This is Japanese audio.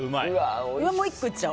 もう１個いっちゃおう。